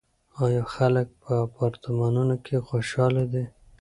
آیا خلک په اپارتمانونو کې خوشحاله دي؟